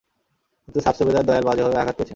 কিন্তু সাব- সুবেদার দয়াল বাজেভাবে আঘাত পেয়েছেন।